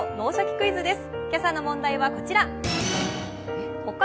クイズ」です。